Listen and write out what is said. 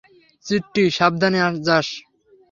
চিট্টি, সাবধানে যাস।